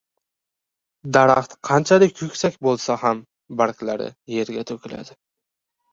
• Daraxt qanchalik yuksak bo‘lsa ham, barglari yerga to‘kiladi.